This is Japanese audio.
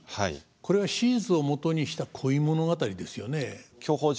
これは史実をもとにした恋物語ですよね。